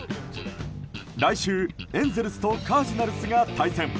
来週、エンゼルスとカージナルスが対戦。